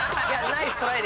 ナイストライ！